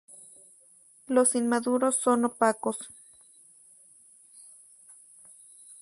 Los inmaduros son opacos.